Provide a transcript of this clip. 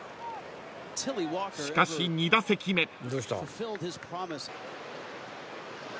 ［しかし２打席目］